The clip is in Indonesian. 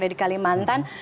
ada di kalimantan